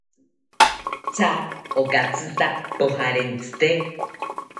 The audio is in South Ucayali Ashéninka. ¿Tya okatsika pojarentsite?